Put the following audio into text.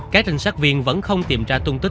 các trinh sát viên vẫn không tìm ra tung tích